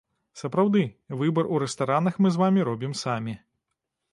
Сапраўды, выбар у рэстаранах мы з вамі робім самі.